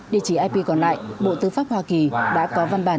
địa chỉ ip còn lại bộ tư pháp hoa kỳ đã có văn bản